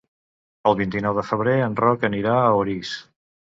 El vint-i-nou de febrer en Roc anirà a Orís.